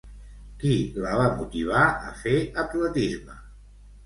Qui la va motivar a fer atletisme?